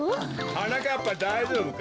はなかっぱだいじょうぶか？